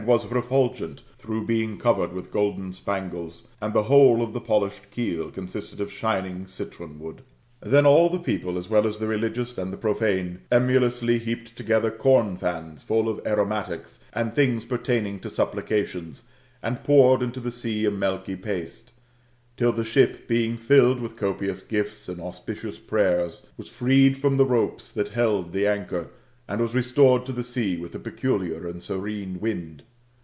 90$ was refulgent through being covered with golden spangles, and the whole of the polished keel consisted of shining citron wood. Then all the people, as well the religious as profane, emulously heaped together corn fans ful) of aromatics and things pertain ing to supplications, and poured into the sea a milky paste; till the ship, being filled with copious gifts and auspicious prayers, was freed from the ropes that held the anchor, and was restored to the sea with a peculiar and serene wind.